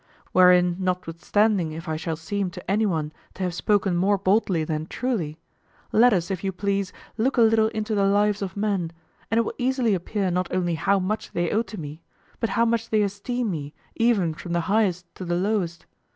Wherein notwithstanding if I shall seem to anyone to have spoken more boldly than truly, let us, if you please, look a little into the lives of men, and it will easily appear not only how much they owe to me, but how much they esteem me even from the highest to the lowest.